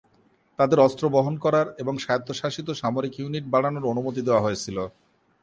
তাদের অস্ত্র বহন করার এবং স্বায়ত্তশাসিত সামরিক ইউনিট বাড়ানোর অনুমতি দেওয়া হয়েছিল।